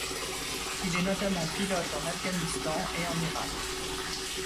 Il est notamment pilote en Afghanistan et en Irak.